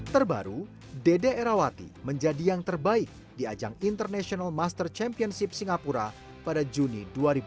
terbaru dede erawati menjadi yang terbaik di ajang international master championship singapura pada juni dua ribu dua puluh